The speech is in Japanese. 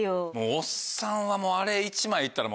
おっさんはあれ１枚行ったら。